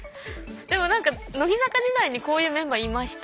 でもなんか乃木坂時代にこういうメンバーいました。